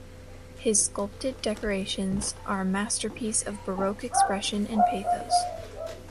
His sculpted decorations are a masterpiece of baroque expression and pathos.